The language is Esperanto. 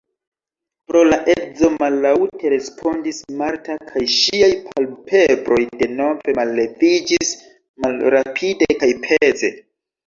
Pro la edzo, mallaŭte respondis Marta, kaj ŝiaj palpebroj denove malleviĝis malrapide kaj peze.